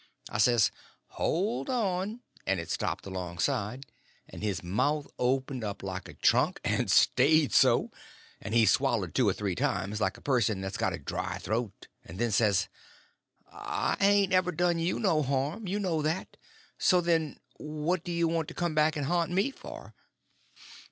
I says "Hold on!" and it stopped alongside, and his mouth opened up like a trunk, and stayed so; and he swallowed two or three times like a person that's got a dry throat, and then says: "I hain't ever done you no harm. You know that. So, then, what you want to come back and ha'nt me for?"